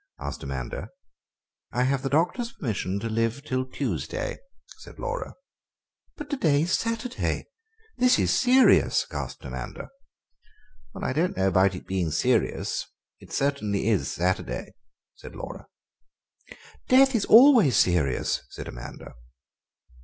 asked Amanda. "I have the doctor's permission to live till Tuesday," said Laura. "But to day is Saturday; this is serious!" gasped Amanda. "I don't know about it being serious; it is certainly Saturday," said Laura. "Death is always serious," said Amanda.